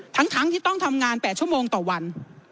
ทั้งที่ต้องทำงาน๘ชั่วโมงต่อวัน